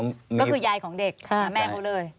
ก็คือยายของเด็กและแม่เขาเลย